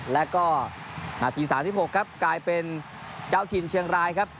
แล้วก็นาที๓๖ครับกลายเป็นเจ้าถิ่นเชียงรายครับ